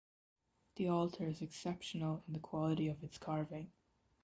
The altar is exceptional in the quality of its carving.